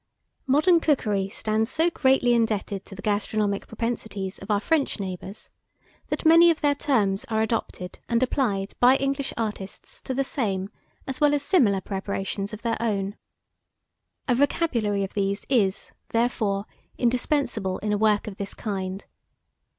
MODERN COOKERY stands so greatly indebted to the gastronomic propensities of our French neighbours, that many of their terms are adopted and applied by English artists to the same as well as similar preparations of their own. A vocabulary of these is, therefore, indispensable in a work of this kind.